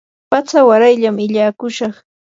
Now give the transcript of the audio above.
patsa warayllam illakushaq.